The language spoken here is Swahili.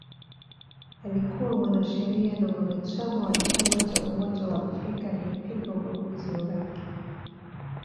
Alikuwa mwanasheria na mwanachama wa Chama cha umoja wa Afrika aliyepinga ubaguzi wa rangi